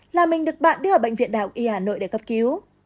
là mình được bạn đưa vào bệnh viện đạo y hà nội để cấp cứu